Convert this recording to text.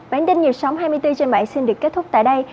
bản tin nhiều sóng hai mươi bốn trên bảy xin được kết thúc tại đây